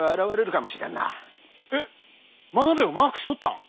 えっ真鍋をマークしとったん？